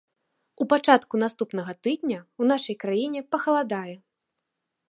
У пачатку наступнага тыдня ў нашай краіне пахаладае.